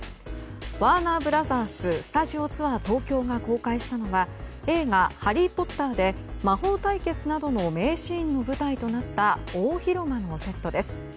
ワーナー・ブラザーススタジオツアー東京が公開したのは映画「ハリー・ポッター」で魔法対決などの名シーンの舞台となった大広間のセットです。